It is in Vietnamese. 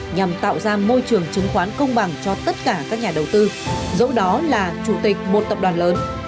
nhằm tạo ra môi trường chứng khoán công bằng cho tất cả các nhà đầu tư dẫu đó là chủ tịch một tập đoàn lớn